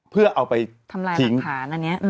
เพื่อเอาไปทำรายหลักภาณอัเงี้ยอืม